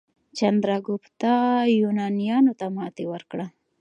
چندراګوپتا یونانیانو ته ماتې ورکړه.